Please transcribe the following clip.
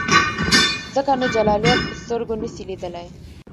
ځکه نو جلالیت په سترګو نسې لیدلای.